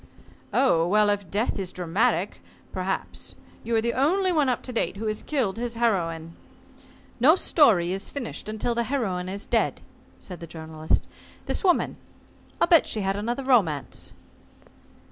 "Oh, well, if death is dramatic perhaps. You are the only one up to date who has killed his heroine." "No story is finished until the heroine is dead," said the Journalist. "This woman, I'll bet she had another romance."